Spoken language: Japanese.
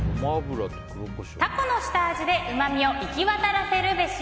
タコの下味でうまみを行き渡らせるべし。